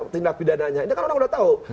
tindak pidananya ini kan orang udah tahu